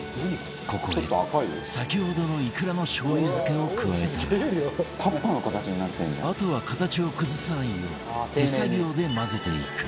ここへ先ほどのイクラのしょう油漬けを加えたらあとは形を崩さないよう手作業で混ぜていく